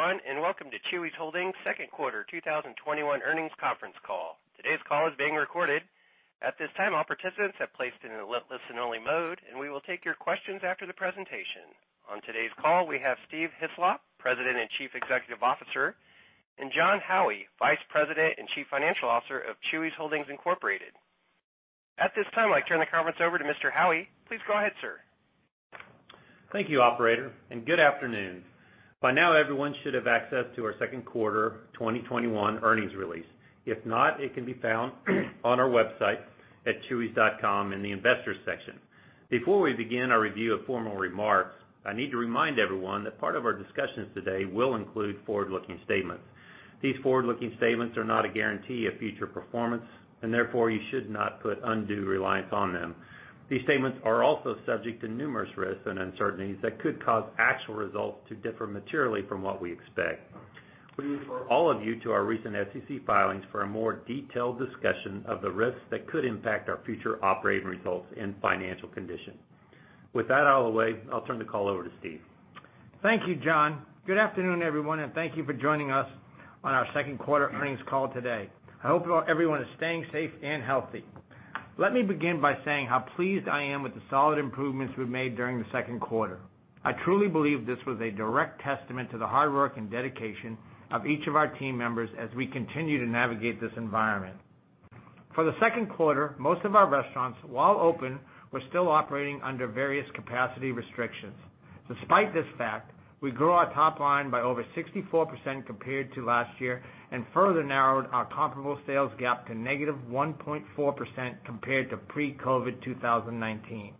Good day everyone, and welcome to Chuy's Holdings second quarter 2021 earnings conference call. Today's call is being recorded. At this time, all participants have placed into listen only mode, and we will take your questions after the presentation. On today's call, we have Steve Hislop, President and Chief Executive Officer, and Jon Howie, Vice President and Chief Financial Officer of Chuy's Holdings, Inc.. At this time, I'd like to turn the conference over to Mr. Howie. Please go ahead, sir. Thank you, operator, and good afternoon. By now, everyone should have access to our second quarter 2021 earnings release. If not, it can be found on our website at chuys.com in the Investors section. Before we begin our review of formal remarks, I need to remind everyone that part of our discussions today will include forward-looking statements. These forward-looking statements are not a guarantee of future performance, and therefore, you should not put undue reliance on them. These statements are also subject to numerous risks and uncertainties that could cause actual results to differ materially from what we expect. We refer all of you to our recent SEC filings for a more detailed discussion of the risks that could impact our future operating results and financial condition. With that out of the way, I'll turn the call over to Steve. Thank you, Jon. Good afternoon, everyone, and thank you for joining us on our second quarter earnings call today. I hope everyone is staying safe and healthy. Let me begin by saying how pleased I am with the solid improvements we've made during the second quarter. I truly believe this was a direct testament to the hard work and dedication of each of our team members as we continue to navigate this environment. For the second quarter, most of our restaurants, while open, were still operating under various capacity restrictions. Despite this fact, we grew our top line by over 64% compared to last year and further narrowed our comparable sales gap to -1.4% compared to pre-COVID 2019.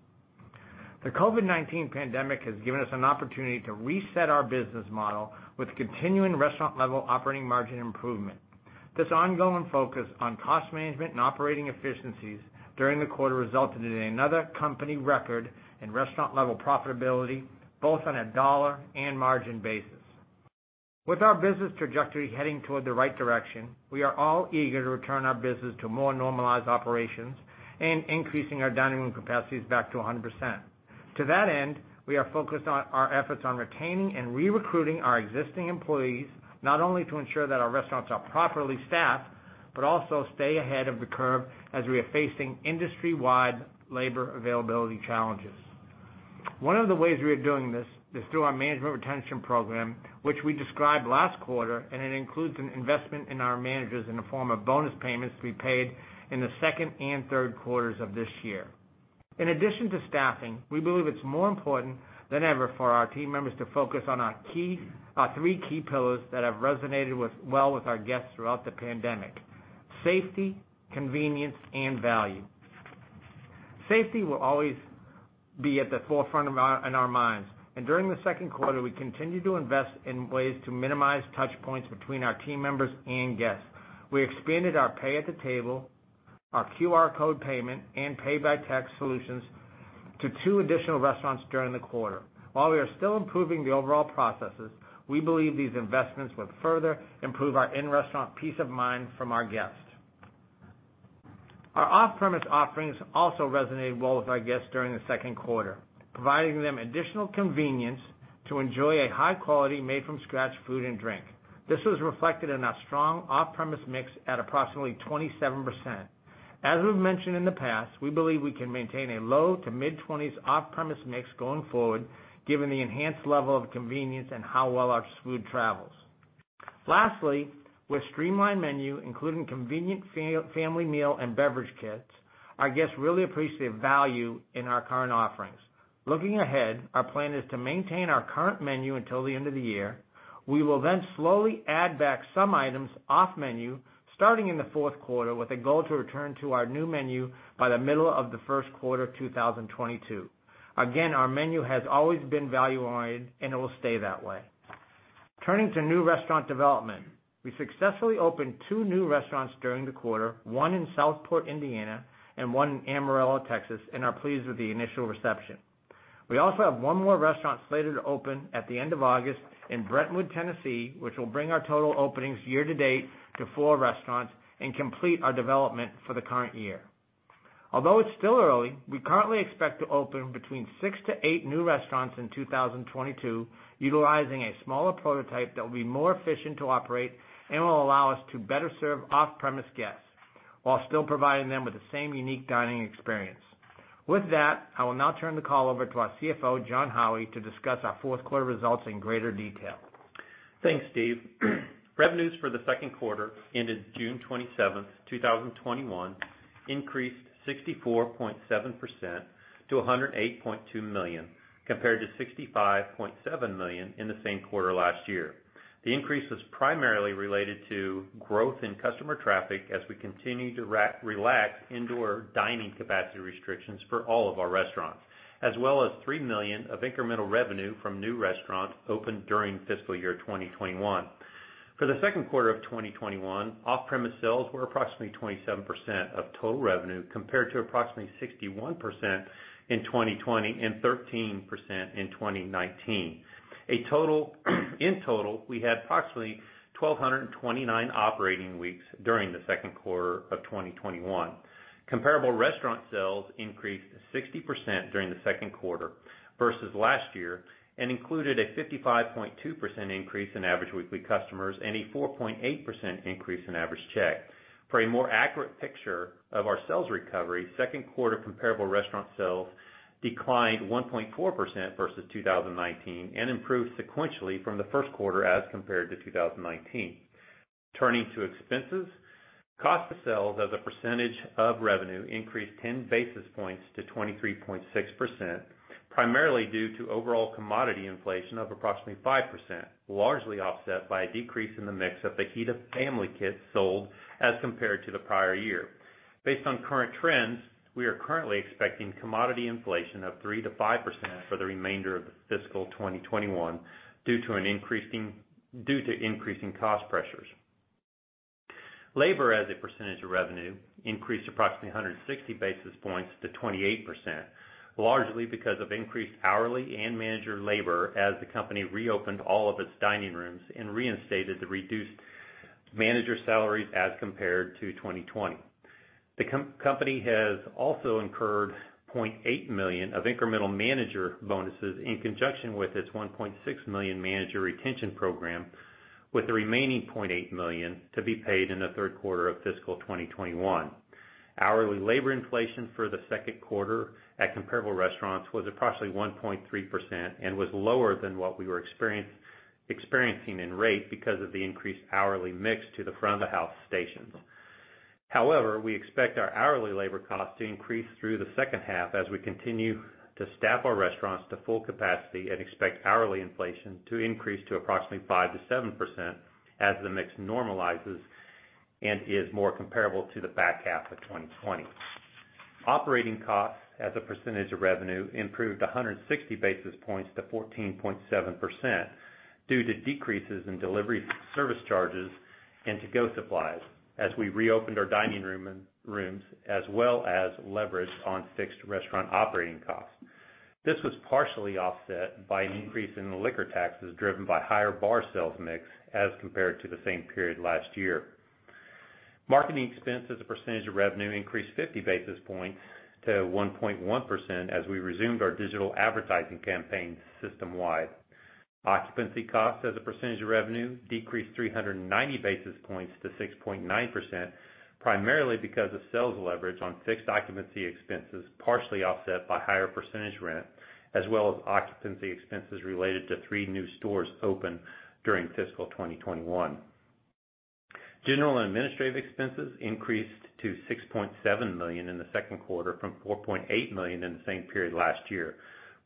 The COVID-19 pandemic has given us an opportunity to reset our business model with continuing restaurant-level operating margin improvement. This ongoing focus on cost management and operating efficiencies during the quarter resulted in another company record in restaurant-level profitability, both on a dollar and margin basis. With our business trajectory heading toward the right direction, we are all eager to return our business to more normalized operations and increasing our dining room capacities back to 100%. To that end, we are focused on our efforts on retaining and re-recruiting our existing employees, not only to ensure that our restaurants are properly staffed, but also stay ahead of the curve as we are facing industry-wide labor availability challenges. One of the ways we are doing this is through our management retention program, which we described last quarter, and it includes an investment in our managers in the form of bonus payments to be paid in the second and third quarters of this year. In addition to staffing, we believe it's more important than ever for our team members to focus on our three key pillars that have resonated well with our guests throughout the pandemic: safety, convenience, and value. Safety will always be at the forefront in our minds, and during the second quarter, we continued to invest in ways to minimize touchpoints between our team members and guests. We expanded our pay at the table, our QR code payment, and pay-by-text solutions to two additional restaurants during the quarter. While we are still improving the overall processes, we believe these investments will further improve our in-restaurant peace of mind from our guests. Our off-premise offerings also resonated well with our guests during the second quarter, providing them additional convenience to enjoy a high quality, made-from-scratch food and drink. This was reflected in our strong off-premise mix at approximately 27%. As we've mentioned in the past, we believe we can maintain a low to mid-20s off-premise mix going forward, given the enhanced level of convenience and how well our food travels. With streamlined menu, including convenient family meal and beverage kits, our guests really appreciate value in our current offerings. Looking ahead, our plan is to maintain our current menu until the end of the year. We will then slowly add back some items off menu, starting in the fourth quarter, with a goal to return to our new menu by the middle of the first quarter 2022. Again, our menu has always been value-oriented, and it will stay that way. Turning to new restaurant development. We successfully opened two new restaurants during the quarter, one in Southport, Indiana, and one in Amarillo, Texas, and are pleased with the initial reception. We also have one more restaurant slated to open at the end of August in Brentwood, Tennessee, which will bring our total openings year to date to four restaurants and complete our development for the current year. Although it's still early, we currently expect to open between six to eight new restaurants in 2022 utilizing a smaller prototype that will be more efficient to operate and will allow us to better serve off-premise guests while still providing them with the same unique dining experience. With that, I will now turn the call over to our CFO, Jon Howie, to discuss our fourth quarter results in greater detail. Thanks, Steve. Revenues for the second quarter ended June 27th, 2021 increased 64.7% to $108.2 million, compared to $65.7 million in the same quarter last year. The increase was primarily related to growth in customer traffic as we continue to relax indoor dining capacity restrictions for all of our restaurants, as well as $3 million of incremental revenue from new restaurants opened during fiscal year 2021. For the second quarter of 2021, off-premise sales were approximately 27% of total revenue, compared to approximately 61% in 2020 and 13% in 2019. In total, we had approximately 1,229 operating weeks during the second quarter of 2021. Comparable restaurant sales increased 60% during the second quarter versus last year, and included a 55.2% increase in average weekly customers and a 4.8% increase in average check. For a more accurate picture of our sales recovery, second quarter comparable restaurant sales declined 1.4% versus 2019, and improved sequentially from the first quarter as compared to 2019. Turning to expenses, cost of sales as a percentage of revenue increased 10 basis points to 23.6%, primarily due to overall commodity inflation of approximately 5%, largely offset by a decrease in the mix of fajita family kits sold as compared to the prior year. Based on current trends, we are currently expecting commodity inflation of 3%-5% for the remainder of fiscal 2021 due to increasing cost pressures. Labor as a percentage of revenue increased approximately 160 basis points to 28%, largely because of increased hourly and manager labor as the company reopened all of its dining rooms and reinstated the reduced manager salaries as compared to 2020. The company has also incurred $0.8 million of incremental manager bonuses in conjunction with its $1.6 million manager retention program, with the remaining $0.8 million to be paid in the third quarter of fiscal 2021. Hourly labor inflation for the second quarter at comparable restaurants was approximately 1.3% and was lower than what we were experiencing in rate because of the increased hourly mix to the front of the house stations. However, we expect our hourly labor costs to increase through the second half as we continue to staff our restaurants to full capacity and expect hourly inflation to increase to approximately 5%-7% as the mix normalizes and is more comparable to the back half of 2020. Operating costs as a percentage of revenue improved 160 basis points to 14.7% due to decreases in delivery service charges and to-go supplies as we reopened our dining rooms, as well as leverage on fixed restaurant operating costs. This was partially offset by an increase in the liquor taxes driven by higher bar sales mix as compared to the same period last year. Marketing expense as a percentage of revenue increased 50 basis points to 1.1% as we resumed our digital advertising campaign system-wide. Occupancy costs as a percentage of revenue decreased 390 basis points to 6.9%, primarily because of sales leverage on fixed occupancy expenses, partially offset by higher percentage rent, as well as occupancy expenses related to three new stores opened during fiscal 2021. General and Administrative expenses increased to $6.7 million in the second quarter from $4.8 million in the same period last year,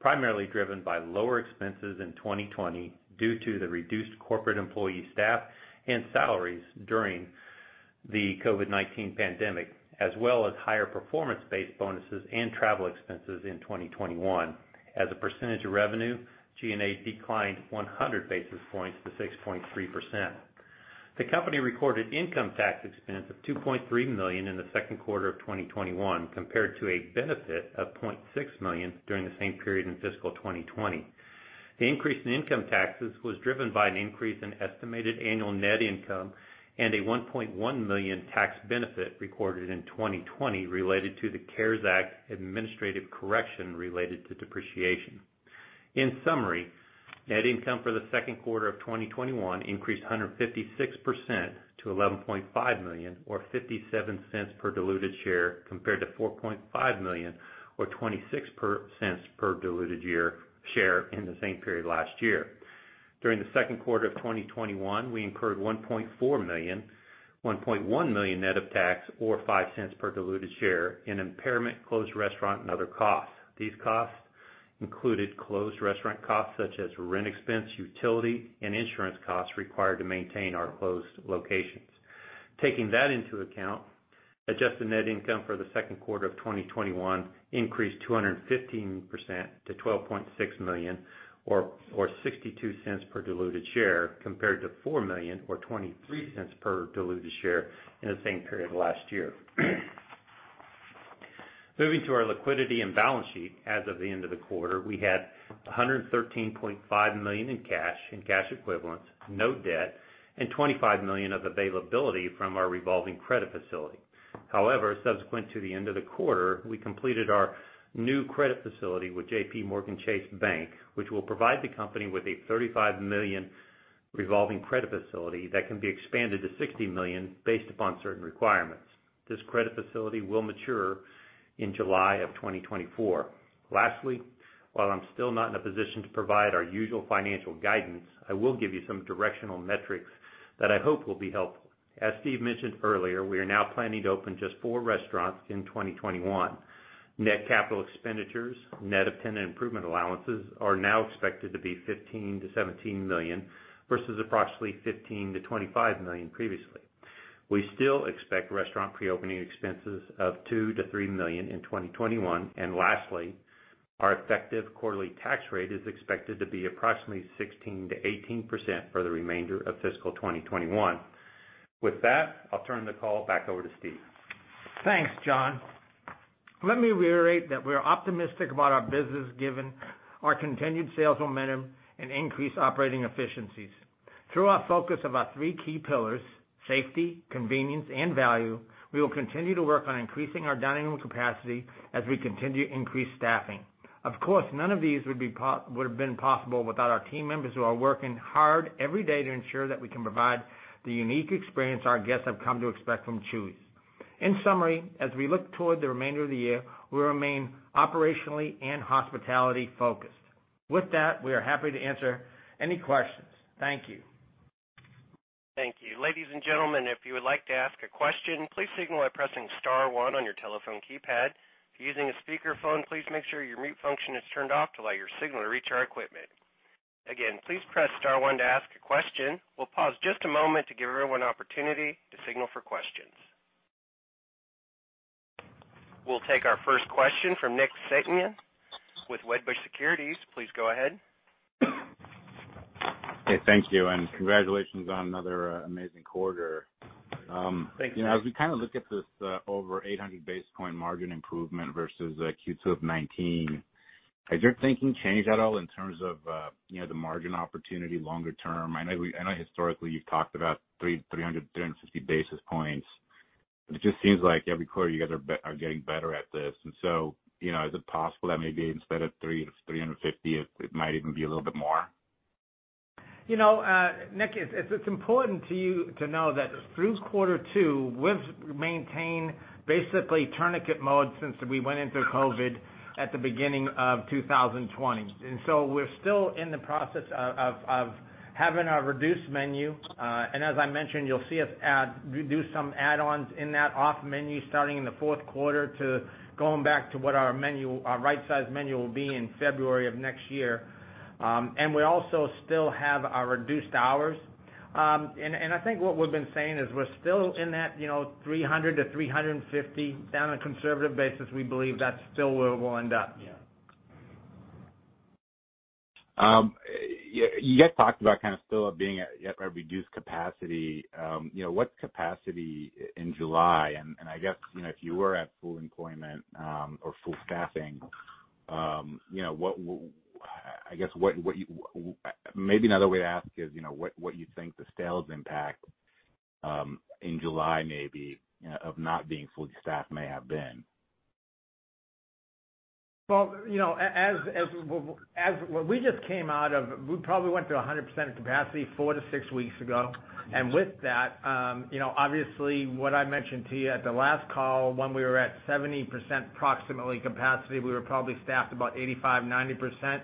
primarily driven by lower expenses in 2020 due to the reduced corporate employee staff and salaries during the COVID-19 pandemic, as well as higher performance-based bonuses and travel expenses in 2021. As a percentage of revenue, G&A declined 100 basis points to 6.3%. The company recorded income tax expense of $2.3 million in the second quarter of 2021 compared to a benefit of $0.6 million during the same period in fiscal 2020. The increase in income taxes was driven by an increase in estimated annual net income and a $1.1 million tax benefit recorded in 2020 related to the CARES Act administrative correction related to depreciation. In summary, net income for the second quarter of 2021 increased 156% to $11.5 million, or $0.57 per diluted share, compared to $4.5 million or $0.26 per diluted share in the same period last year. During the second quarter of 2021, we incurred $1.4 million, $1.1 million net of tax or $0.05 per diluted share in impairment, closed restaurant and other costs. These costs included closed restaurant costs such as rent expense, utility, and insurance costs required to maintain our closed locations. Taking that into account, adjusted net income for the second quarter of 2021 increased 215% to $12.6 million or $0.62 per diluted share compared to $4 million or $0.23 per diluted share in the same period last year. Moving to our liquidity and balance sheet. As of the end of the quarter, we had $113.5 million in cash and cash equivalents, no debt, and $25 million of availability from our revolving credit facility. However, subsequent to the end of the quarter, we completed our new credit facility with JPMorgan Chase Bank, N.A., which will provide the company with a $35 million revolving credit facility that can be expanded to $60 million based upon certain requirements. This credit facility will mature in July of 2024. Lastly, while I'm still not in a position to provide our usual financial guidance, I will give you some directional metrics that I hope will be helpful. As Steve mentioned earlier, we are now planning to open just four restaurants in 2021. Net capital expenditures, net of tenant improvement allowances are now expected to be $15 million-$17 million, versus approximately $15 million-$25 million previously. We still expect restaurant pre-opening expenses of $2 million-$3 million in 2021. Lastly, our effective quarterly tax rate is expected to be approximately 16%-18% for the remainder of fiscal 2021. With that, I'll turn the call back over to Steve. Thanks, Jon. Let me reiterate that we're optimistic about our business given our continued sales momentum and increased operating efficiencies. Through our focus of our three key pillars, safety, convenience, and value, we will continue to work on increasing our dining room capacity as we continue to increase staffing. Of course, none of these would've been possible without our team members who are working hard every day to ensure that we can provide the unique experience our guests have come to expect from Chuy's. In summary, as we look toward the remainder of the year, we remain operationally and hospitality focused. With that, we are happy to answer any questions. Thank you. Thank you. Ladies and gentlemen, if you would like to ask a question, please signal by pressing star one on your telephone keypad. If you're using a speakerphone, please make sure your mute function is turned off to allow your signal to reach our equipment. Again, please press star one to ask a question. We'll pause just a moment to give everyone an opportunity to signal for questions. We'll take our first question from Nick Setyan with Wedbush Securities. Please go ahead. Hey, thank you, and congratulations on another amazing quarter. Thank you. As we look at this over 800 basis point margin improvement versus Q2 2019, has your thinking changed at all in terms of the margin opportunity longer term? I know historically you've talked about 300 basis points, 350 basis points. It just seems like every quarter you guys are getting better at this. Is it possible that maybe instead of 300 basis points to 350 basis points, it might even be a little bit more? Nick, it's important to you to know that through quarter two, we've maintained basically tourniquet mode since we went into COVID-19 at the beginning of 2020. So we're still in the process of having a reduced menu. As I mentioned, you'll see us do some add-ons in that off menu starting in the fourth quarter to going back to what our right size menu will be in February of next year. We also still have our reduced hours. I think what we've been saying is we're still in that, 300 basis points-350 basis points. On a conservative basis, we believe that's still where we'll end up. Yeah. You guys talked about still being at a reduced capacity. What's capacity in July? I guess, if you were at full employment or full staffing, maybe another way to ask is, what you think the sales impact in July may be of not being fully staffed may have been? Well, we just came, we probably went to 100% of capacity four to six weeks ago. With that, obviously, what I mentioned to you at the last call when we were at 70% approximately capacity, we were probably staffed about 85%-90%.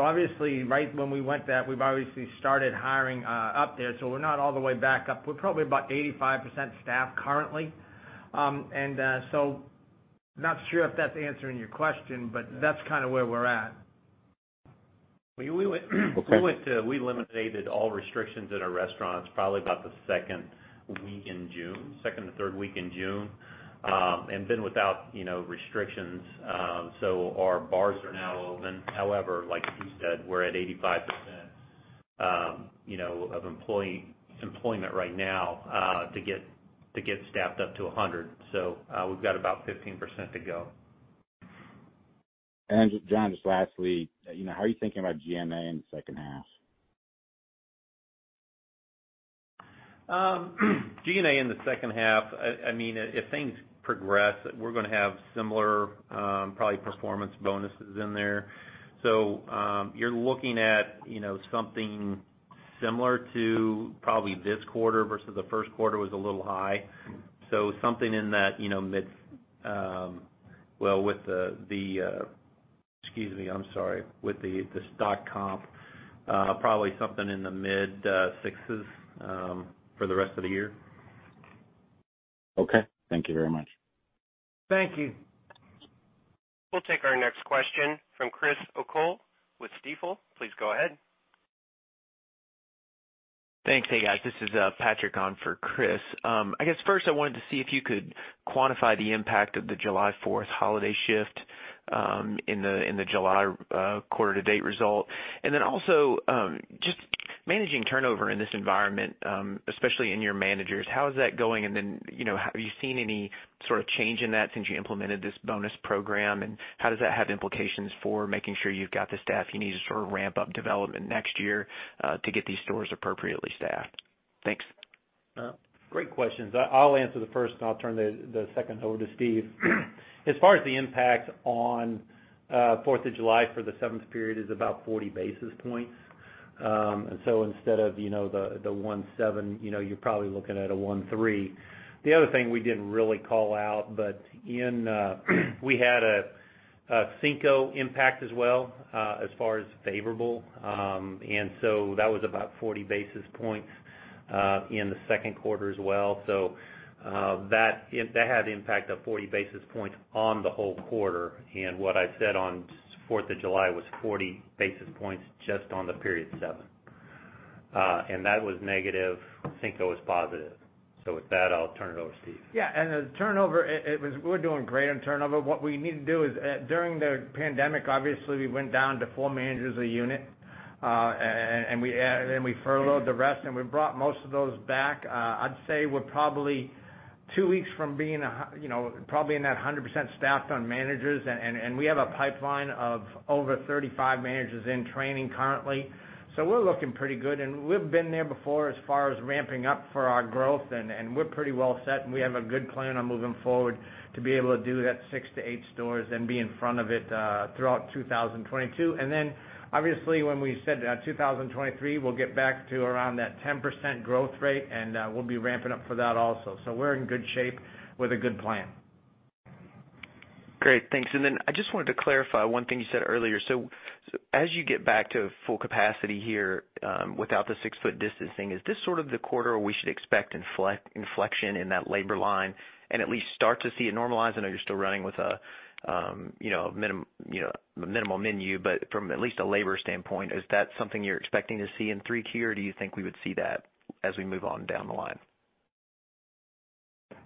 Obviously, right when we went that, we've obviously started hiring up there. We're not all the way back up. We're probably about 85% staffed currently. Not sure if that's answering your question, but that's kind of where we're at. We eliminated all restrictions at our restaurants probably about the second week in June, second to third week in June, and been without restrictions. Our bars are now open. However, like Steve said, we're at 85% of employment right now to get staffed up to 100%. We've got about 15% to go. Jon, just lastly, how are you thinking about G&A in the second half? G&A in the second half, if things progress, we're going to have similar, probably performance bonuses in there. You're looking at something similar to probably this quarter versus the first quarter was a little high. Well, with the, excuse me, I'm sorry. With the stock comp, probably something in the mid sixes for the rest of the year. Okay. Thank you very much. Thank you. We'll take our next question from Chris O'Cull with Stifel. Please go ahead. Thanks. Hey, guys, this is Patrick on for Chris. First I wanted to see if you could quantify the impact of the July 4th holiday shift in the July quarter to date result. Also, just managing turnover in this environment, especially in your managers, how is that going? Then, have you seen any sort of change in that since you implemented this bonus program, and how does that have implications for making sure you've got the staff you need to sort of ramp up development next year to get these stores appropriately staffed? Thanks. Great questions. I'll answer the first, and I'll turn the second over to Steve. As far as the impact on 4th of July for the 7th period is about 40 basis points. Instead of the +1.7%, you're probably looking at a +1.3%. The other thing we didn't really call out, but we had a Cinco impact as well, as far as favorable. That was about 40 basis points in the 2nd quarter as well. That had the impact of 40 basis points on the whole quarter. What I said on 4th of July was 40 basis points just on the period 7. That was negative, Cinco was positive. With that, I'll turn it over to Steve. Yeah. The turnover, we're doing great on turnover. What we need to do is, during the pandemic, obviously, we went down to four managers a unit, and we furloughed the rest, and we brought most of those back. I'd say we're probably two weeks from being probably in that 100% staffed on managers. We have a pipeline of over 35 managers in training currently. We're looking pretty good, and we've been there before as far as ramping up for our growth, and we're pretty well set, and we have a good plan on moving forward to be able to do that six to eight stores and be in front of it throughout 2022. Obviously when we said 2023, we'll get back to around that 10% growth rate, and we'll be ramping up for that also. We're in good shape with a good plan. Great. Thanks. I just wanted to clarify one thing you said earlier. As you get back to full capacity here without the 6 ft distancing, is this sort of the quarter we should expect inflection in that labor line and at least start to see it normalize? I know you're still running with a minimal menu, but from at least a labor standpoint, is that something you're expecting to see in 3Q, or do you think we would see that as we move on down the line?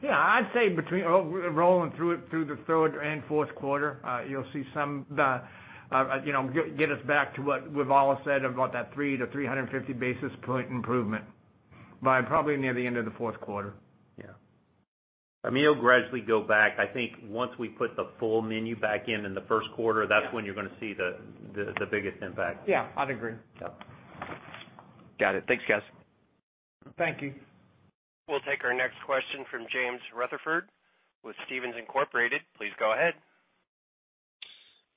Yeah, I'd say between rolling through the third and fourth quarter, you'll get us back to what we've all said about that 300 basis point to 350 basis point improvement, by probably near the end of the fourth quarter. Yeah. I mean, it'll gradually go back. I think once we put the full menu back in in the first quarter. Yeah that's when you're going to see the biggest impact. Yeah, I'd agree. Yeah. Got it. Thanks, guys. Thank you. We'll take our next question from James Rutherford with Stephens Incorporated. Please go ahead.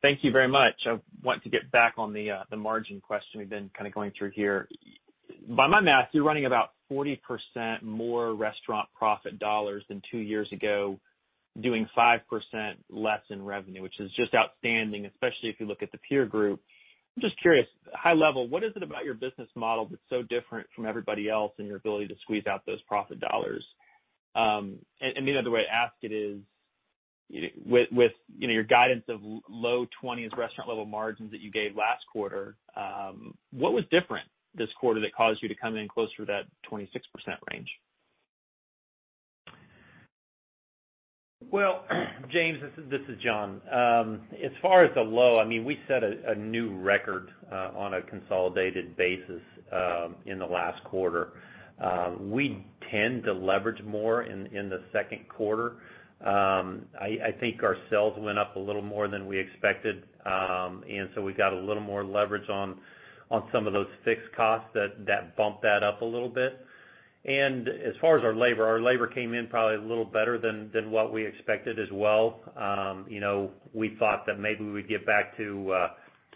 Thank you very much. I want to get back on the margin question we've been kind of going through here. By my math, you're running about 40% more restaurant profit dollars than two years ago, doing 5% less in revenue, which is just outstanding, especially if you look at the peer group. I'm just curious, high level, what is it about your business model that's so different from everybody else and your ability to squeeze out those profit dollars? Another way to ask it is, with your guidance of low twenties restaurant level margins that you gave last quarter, what was different this quarter that caused you to come in closer to that 26% range? Well, James, this is Jon. As far as the low, we set a new record on a consolidated basis in the last quarter. We tend to leverage more in the second quarter. I think our sales went up a little more than we expected. We got a little more leverage on some of those fixed costs that bumped that up a little bit. As far as our labor, our labor came in probably a little better than what we expected as well. We thought that maybe we would get back to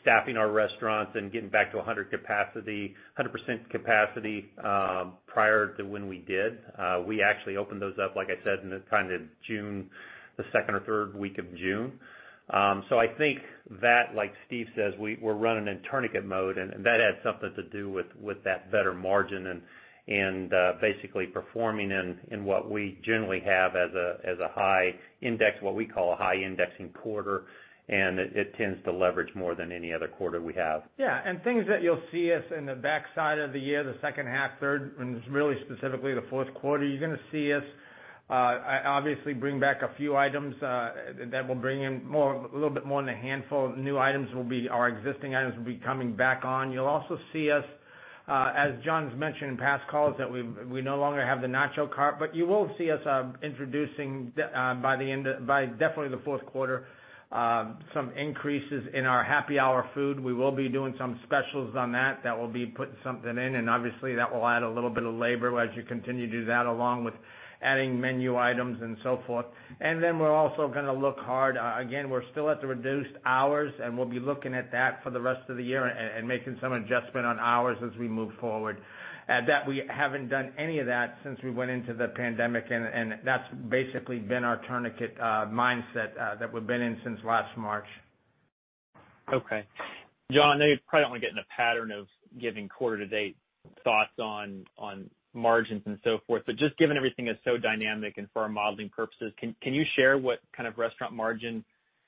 staffing our restaurants and getting back to 100% capacity prior to when we did. We actually opened those up, like I said, in the second or third week of June. I think that, like Steve says, we're running in tourniquet mode, and that had something to do with that better margin and basically performing in what we generally have as a high index, what we call a high indexing quarter, and it tends to leverage more than any other quarter we have. Things that you'll see us in the backside of the year, the second half, third, and really specifically the fourth quarter, you're going to see us obviously bring back a few items that will bring in a little bit more than a handful of new items. Our existing items will be coming back on. You'll also see us, as Jon's mentioned in past calls, that we no longer have the Nacho Car, but you will see us introducing by definitely the fourth quarter, some increases in our happy hour food. We will be doing some specials on that. That will be putting something in, and obviously that will add a little bit of labor as you continue to do that, along with adding menu items and so forth. We're also going to look hard. We're still at the reduced hours, and we'll be looking at that for the rest of the year and making some adjustment on hours as we move forward. That we haven't done any of that since we went into the pandemic, and that's basically been our tourniquet mindset that we've been in since last March. Okay. Jon, I know you probably don't want to get in a pattern of giving quarter to date thoughts on margins and so forth, but just given everything is so dynamic and for our modeling purposes, can you share what kind of restaurant margin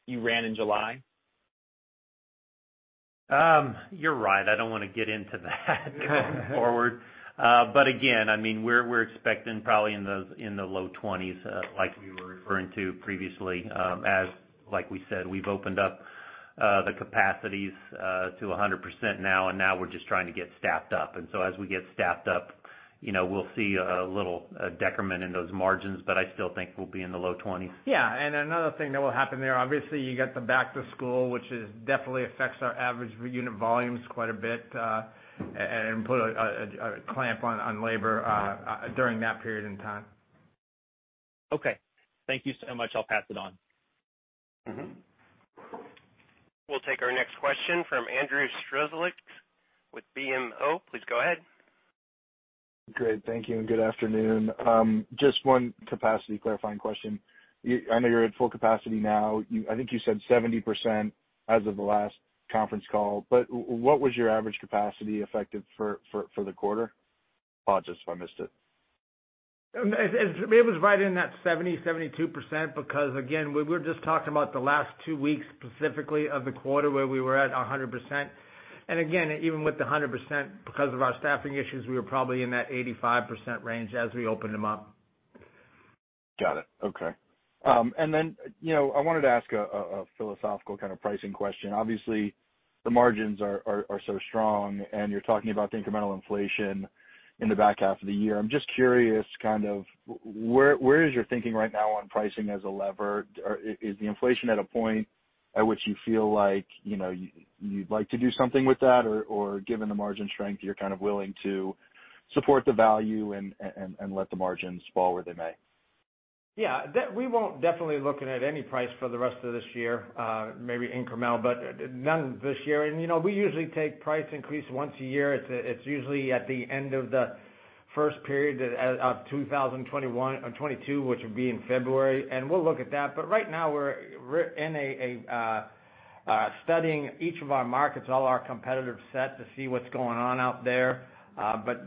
you ran in July? You're right. I don't want to get into that going forward. Again, we're expecting probably in the low 20s, like we were referring to previously. Like we said, we've opened up the capacities to 100% now. Now we're just trying to get staffed up. As we get staffed up, we'll see a little decrement in those margins, but I still think we'll be in the low 20s. Yeah. Another thing that will happen there, obviously, you got the back to school, which definitely affects our average unit volumes quite a bit, and put a clamp on labor during that period in time. Okay. Thank you so much. I'll pass it on. We'll take our next question from Andrew Strelzik with BMO. Please go ahead. Great. Thank you, and good afternoon. Just one capacity clarifying question. I know you're at full capacity now. I think you said 70% as of the last conference call, but what was your average capacity effective for the quarter? I apologize if I missed it. It was right in that 70%, 72%, because again, we're just talking about the last two weeks, specifically of the quarter where we were at 100%. Again, even with the 100%, because of our staffing issues, we were probably in that 85% range as we opened them up. Got it. Okay. I wanted to ask a philosophical kind of pricing question. Obviously, the margins are so strong, and you're talking about the incremental inflation in the back half of the year. I'm just curious, where is your thinking right now on pricing as a lever? Is the inflation at a point at which you feel like you'd like to do something with that? Given the margin strength, you're kind of willing to support the value and let the margins fall where they may? Yeah. We won't definitely looking at any price for the rest of this year, maybe incremental, but none this year. We usually take price increase once a year. It's usually at the end of the first period of 2021 or 2022, which would be in February. We'll look at that. Right now we're studying each of our markets, all our competitive set to see what's going on out there.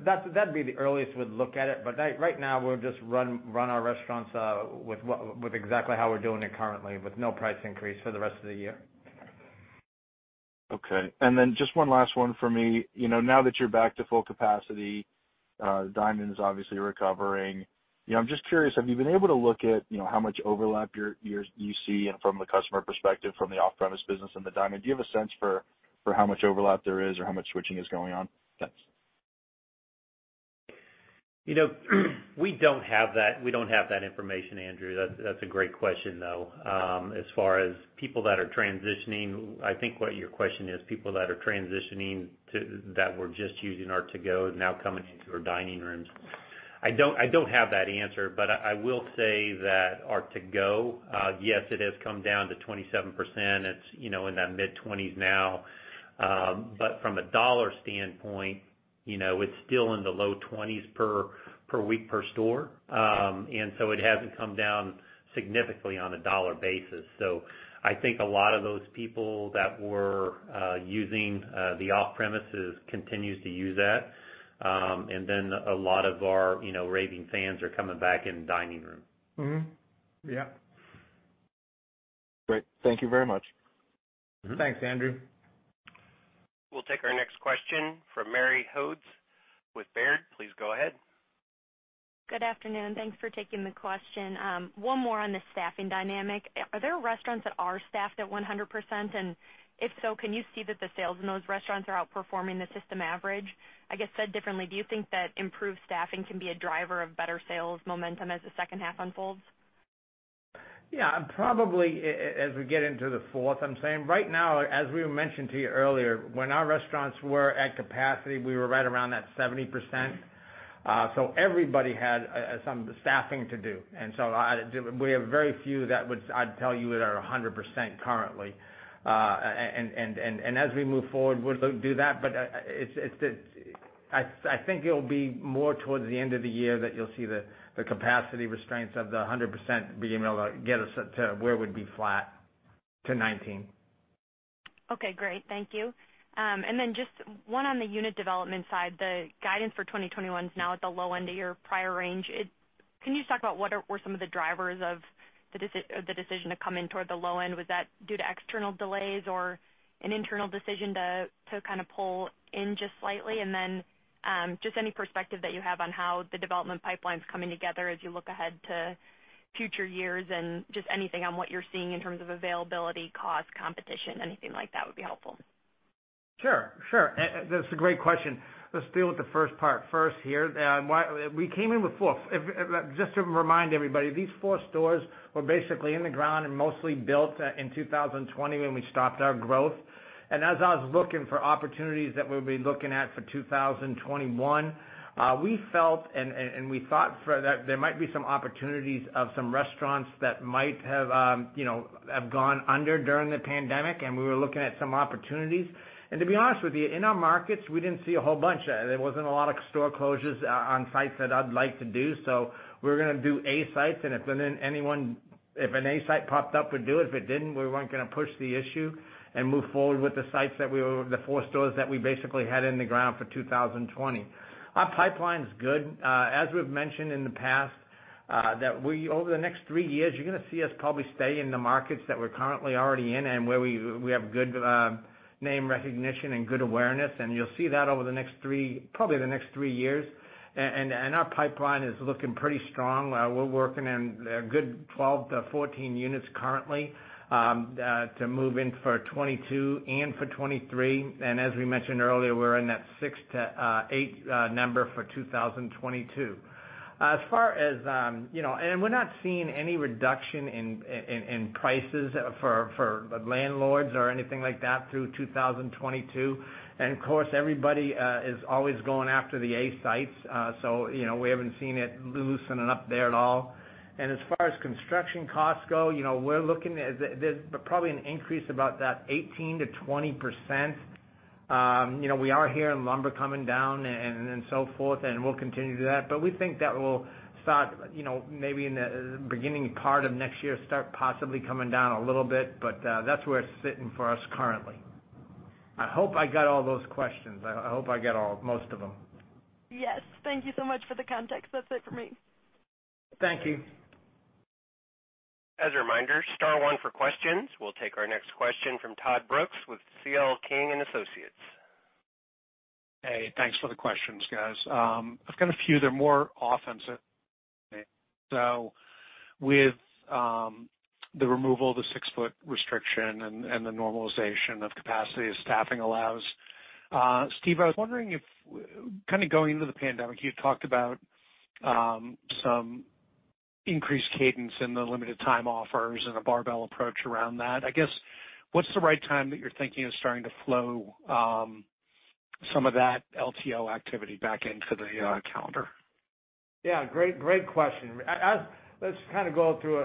That'd be the earliest we'd look at it. Right now, we'll just run our restaurants with exactly how we're doing it currently, with no price increase for the rest of the year. Okay. Just one last one for me. Now that you're back to full capacity, dine-in is obviously recovering. I'm just curious, have you been able to look at how much overlap you see in from the customer perspective, from the off-premise business and the dine-in? Do you have a sense for how much overlap there is or how much switching is going on? Thanks. We don't have that information, Andrew. That's a great question, though. As far as people that are transitioning, I think what your question is, people that are transitioning that were just using our to-go now coming into our dining rooms. I don't have that answer, but I will say that our to-go, yes, it has come down to 27%. It's in that mid-20s now. From a dollar standpoint, it's still in the low 20s per week per store. It hasn't come down significantly on a dollar basis. I think a lot of those people that were using the off-premises continues to use that. Then a lot of our raving fans are coming back in the dining room. Mm-hmm. Yeah. Great. Thank you very much. Thanks, Andrew. We'll take our next question from Mary Hodes with Baird. Please go ahead. Good afternoon. Thanks for taking the question. One more on the staffing dynamic. Are there restaurants that are staffed at 100%? If so, can you see that the sales in those restaurants are outperforming the system average? I guess said differently, do you think that improved staffing can be a driver of better sales momentum as the second half unfolds? Yeah, probably as we get into the fourth, I'm saying. Right now, as we mentioned to you earlier, when our restaurants were at capacity, we were right around that 70%. Everybody had some staffing to do, and so we have very few that I'd tell you that are 100% currently. As we move forward, we'll do that. I think it'll be more towards the end of the year that you'll see the capacity restraints of the 100% being able to get us to where we'd be flat to 2019. Okay, great. Thank you. Then just one on the unit development side. The guidance for 2021 is now at the low end of your prior range. Can you just talk about what were some of the drivers of the decision to come in toward the low end? Was that due to external delays or an internal decision to kind of pull in just slightly? Then, just any perspective that you have on how the development pipeline's coming together as you look ahead to future years and just anything on what you're seeing in terms of availability, cost, competition, anything like that would be helpful. Sure. That's a great question. Let's deal with the first part first here. We came in with four. Just to remind everybody, these four stores were basically in the ground and mostly built in 2020 when we stopped our growth. As I was looking for opportunities that we'd be looking at for 2021, we felt and we thought that there might be some opportunities of some restaurants that might have gone under during the pandemic, and we were looking at some opportunities. To be honest with you, in our markets, we didn't see a whole bunch. There wasn't a lot of store closures on sites that I'd like to do. We were going to do A sites, and if an A site popped up, we'd do it. If it didn't, we weren't going to push the issue and move forward with the four stores that we basically had in the ground for 2020. Our pipeline's good. As we've mentioned in the past, that over the next three years, you're going to see us probably stay in the markets that we're currently already in and where we have good name recognition and good awareness, and you'll see that over probably the next three years. Our pipeline is looking pretty strong. We're working in a good 12 to 14 units currently, to move in for 2022 and for 2023. As we mentioned earlier, we're in that six to eight number for 2022. We're not seeing any reduction in prices for the landlords or anything like that through 2022. Of course, everybody is always going after the A sites. We haven't seen it loosening up there at all. As far as construction costs go, we're looking at probably an increase about that 18%-20%. We are hearing lumber coming down and so forth, and we'll continue to do that. We think that will start maybe in the beginning part of next year, start possibly coming down a little bit. That's where it's sitting for us currently. I hope I got all those questions. I hope I get most of them. Yes. Thank you so much for the context. That's it for me. Thank you. As a reminder, star one for questions. We'll take our next question from Todd Brooks with C.L. King & Associates. Hey. Thanks for the questions, guys. I've got a few. They're more offensive. With the removal of the six-foot restriction and the normalization of capacity as staffing allows, Steve, I was wondering if, kind of going into the pandemic, you talked about some increased cadence in the limited time offers and the barbell approach around that. I guess, what's the right time that you're thinking of starting to flow some of that LTO activity back into the calendar? Yeah. Great question. Let's kind of go through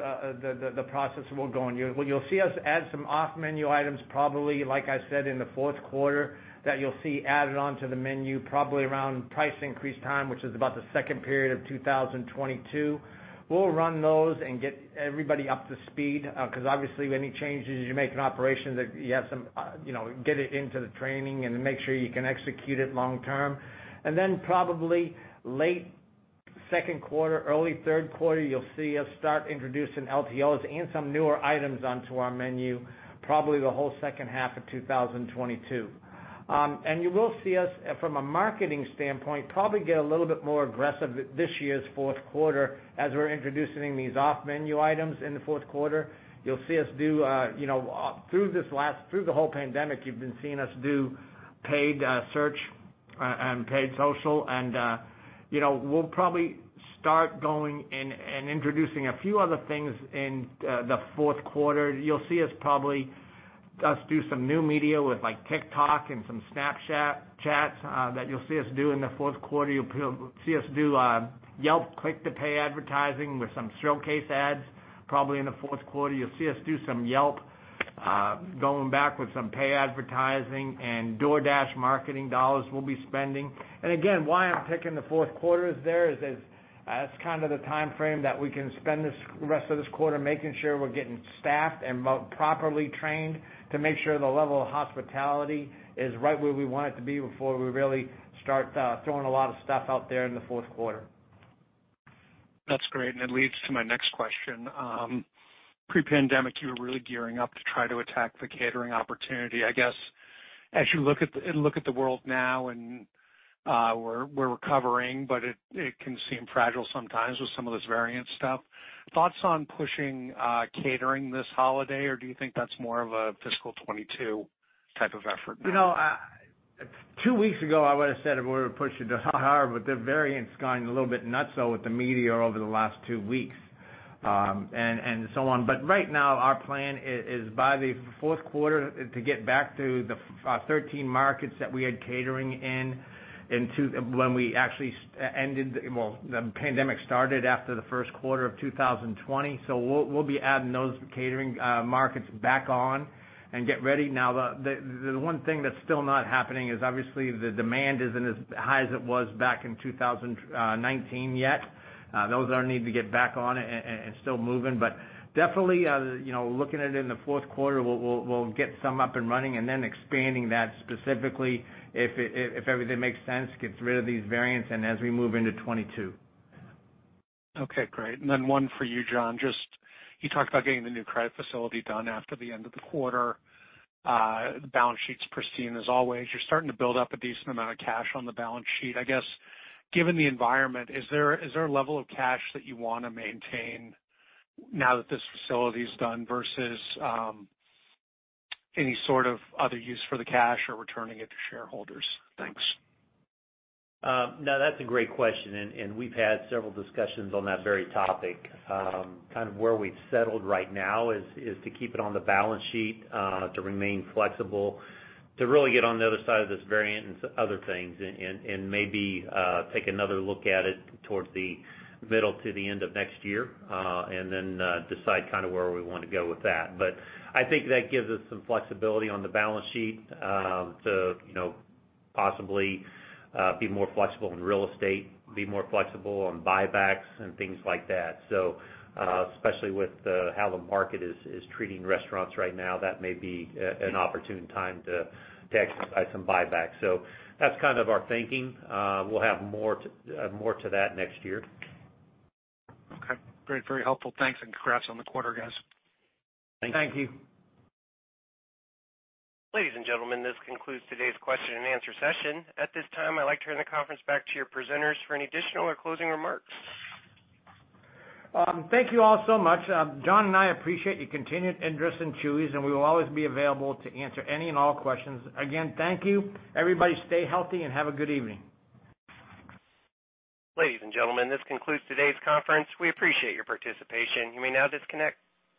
the process of what's going. You'll see us add some off-menu items, probably, like I said, in the fourth quarter, that you'll see added onto the menu probably around price increase time, which is about the second period of 2022. We'll run those and get everybody up to speed because obviously, any changes you make in operations, get it into the training and make sure you can execute it long term. Probably late second quarter, early third quarter, you'll see us start introducing LTOs and some newer items onto our menu, probably the whole second half of 2022. You will see us, from a marketing standpoint, probably get a little bit more aggressive this year's fourth quarter as we're introducing these off-menu items in the fourth quarter. Through the whole pandemic, you've been seeing us do paid search and paid social, and we'll probably start going in and introducing a few other things in the fourth quarter. You'll see us probably just do some new media with TikTok and some Snapchat that you'll see us do in the fourth quarter. You'll see us do Yelp click-to-pay advertising with some showcase ads probably in the fourth quarter. You'll see us do some Yelp, going back with some pay advertising and DoorDash marketing dollars we'll be spending. Again, why I'm picking the fourth quarter is that's kind of the timeframe that we can spend the rest of this quarter making sure we're getting staffed and properly trained to make sure the level of hospitality is right where we want it to be before we really start throwing a lot of stuff out there in the fourth quarter. That's great. It leads to my next question. Pre-pandemic, you were really gearing up to try to attack the catering opportunity. I guess, as you look at the world now, and we're recovering, but it can seem fragile sometimes with some of this variant stuff. Thoughts on pushing catering this holiday, or do you think that's more of a fiscal 2022 type of effort now? Two weeks ago, I would've said we would've pushed it harder, but the variant's gone a little bit nutso with the media over the last two weeks, and so on. Right now, our plan is by the fourth quarter to get back to the 13 markets that we had catering in when the pandemic started after the first quarter of 2020. We'll be adding those catering markets back on and get ready. Now, the one thing that's still not happening is obviously the demand isn't as high as it was back in 2019 yet. Those are needing to get back on it and still moving. Definitely, looking at it in the fourth quarter, we'll get some up and running and then expanding that specifically if everything makes sense, gets rid of these variants, and as we move into 2022. Okay, great. One for you, Jon. You talked about getting the new credit facility done after the end of the quarter. The balance sheet's pristine as always. You're starting to build up a decent amount of cash on the balance sheet. I guess, given the environment, is there a level of cash that you want to maintain now that this facility's done versus any sort of other use for the cash or returning it to shareholders? Thanks. No, that's a great question. We've had several discussions on that very topic. Kind of where we've settled right now is to keep it on the balance sheet to remain flexible, to really get on the other side of this variant and other things and maybe take another look at it towards the middle to the end of next year, decide where we want to go with that. I think that gives us some flexibility on the balance sheet to possibly be more flexible in real estate, be more flexible on buybacks and things like that. Especially with how the market is treating restaurants right now, that may be an opportune time to exercise some buybacks. That's kind of our thinking. We'll have more to that next year. Okay, great. Very helpful. Thanks, and congrats on the quarter, guys. Thank you. Ladies and gentlemen, this concludes today's question and answer session. At this time, I'd like to turn the conference back to your presenters for any additional or closing remarks. Thank you all so much. Jon and I appreciate your continued interest in Chuy's. We will always be available to answer any and all questions. Again, thank you. Everybody, stay healthy and have a good evening. Ladies and gentlemen, this concludes today's conference. We appreciate your participation. You may now disconnect.